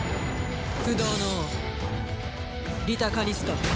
不動の王リタ・カニスカ。